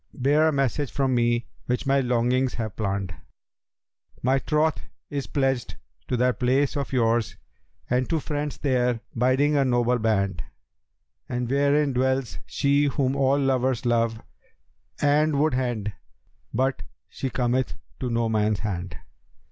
* Bear a message from me which my longings have planned: My troth is pledged to that place of yours, * And to friends there 'biding—a noble band; And wherein dwells she whom all lovers love * And would hend, but she cometh to no man's hand.'